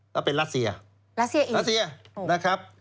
แล้วเป็นรัสเซียรัสเซียอีกรัสเซียนะครับ